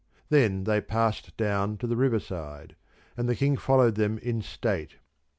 Then they passed down to the riverside, and the King followed them in state.